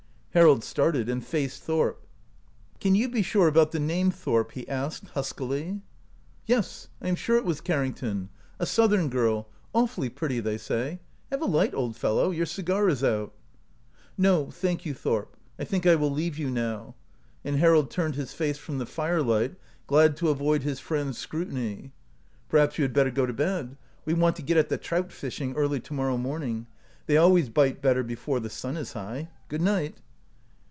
Harold started, and faced Thorp. " Can you be sure about the name, Thorp?" he asked, huskily. 213 OUT OF BOHEMIA "Yes, I am sure it was Carrington — a Southern girl — awfully pretty, they say. Have a light, old fellow ; your cigar is out." " No, thank you, Thorp, I think I will leave you now," and Harold turned his face from the firelight, glad to avoid his friend's scru tiny. " Perhaps you had better go to bed ; we want to get at the trout fishing early to morrow morning. They always bite better before the sun is high. Good night."